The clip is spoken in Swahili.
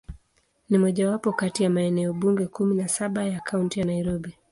Ni mojawapo kati ya maeneo bunge kumi na saba ya Kaunti ya Nairobi.